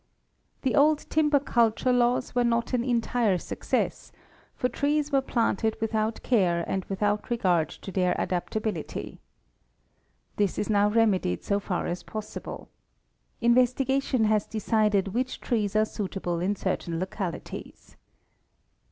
The old timber culture laws were not an entire success for trees were planted without care and with out regard to their adaptability. This is now rem edied so far as possible. Investigation has decided which trees are suitable in certain localities.